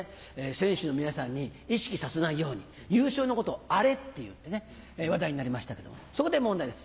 選手の皆さんに意識させないように優勝のことを「アレ」って言って話題になりましたけどそこで問題です。